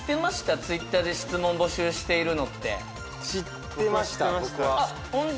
Ｔｗｉｔｔｅｒで質問募集しているのってあっホント？